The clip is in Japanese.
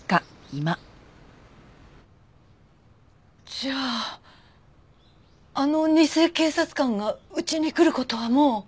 じゃああの偽警察官がうちに来る事はもう。